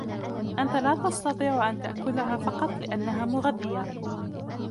أنتَ لا تستطيع أن تأكلها فقط لأنها مغذية.